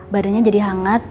badannya jadi hangat